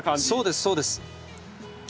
そうですそうです。